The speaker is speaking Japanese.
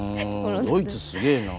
ドイツすげえな。